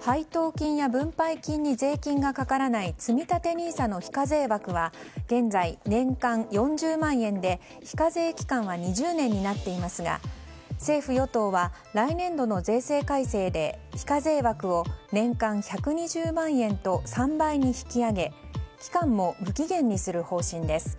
配当金や分配金に税金がかからないつみたてＮＩＳＡの非課税枠は現在、年間４０万円で非課税期間は２０年になっていますが政府・与党は来年度の税制改正で非課税枠を年間１２０万円と３倍に引き上げ期間も無期限にする方針です。